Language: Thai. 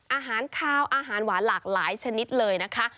อาหารคาวอาหารหวานหลากหลายชนิดเลยนะคะ